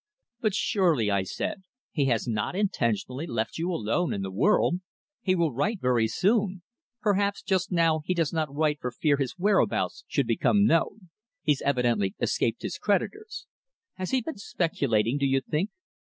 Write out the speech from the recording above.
"But surely," I said, "he has not intentionally left you alone in the world? He will write very soon. Perhaps just now he does not write for fear his whereabouts should become known. He's evidently escaped his creditors. Has he been speculating, do you think?"